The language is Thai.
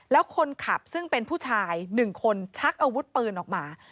แล้วคนขับซึ่งเป็นผู้ชาย๑คนชักอาวุธปืนออกมา